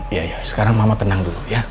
iya ya sekarang mama tenang dulu ya